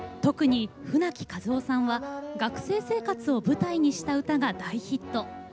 特に舟木一夫さんは学生生活を舞台にした歌が大ヒット。